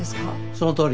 そのとおり。